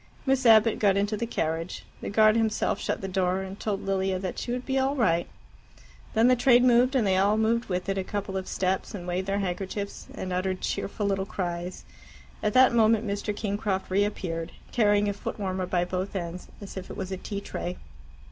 Miss Abbott got into the carriage. The guard himself shut the door, and told Lilia that she would be all right. Then the train moved, and they all moved with it a couple of steps, and waved their handkerchiefs, and uttered cheerful little cries. At that moment Mr. Kingcroft reappeared, carrying a footwarmer by both ends, as if it was a tea tray.